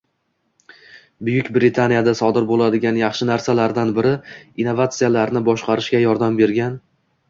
Buyuk Britaniyada sodir boʻladigan yaxshi narsalardan biri innovatsiyalarni boshqarishga yordam bergan